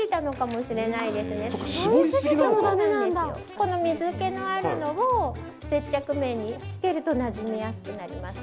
この水けのあるのを接着面につけるとなじみやすくなりますね。